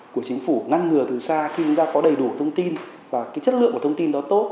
của chính phủ ngăn ngừa từ xa khi chúng ta có đầy đủ thông tin và cái chất lượng của thông tin đó tốt